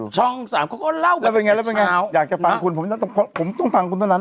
ช่องสามเขาก็เล่ากันแล้วเป็นไงแล้วเป็นไงอยากจะฟังคุณผมต้องฟังคุณเท่านั้น